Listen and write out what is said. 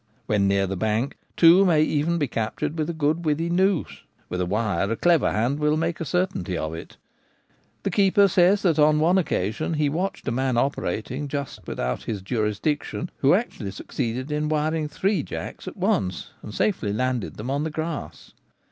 When near the bank two may even be cap tured with a good withy noose : with a wire a clever hand will make a certainty of it The keeper says that on one occasion he watched a man operating just without his jurisdiction, who actually succeeded in wiring three jacks at once and safely landed them on the grass.